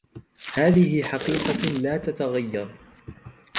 .هذه حقيقة لا تتغير